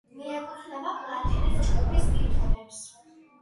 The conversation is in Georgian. მიეკუთვნება პლატინის ჯგუფის ლითონებს.